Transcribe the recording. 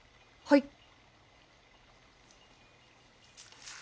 はい！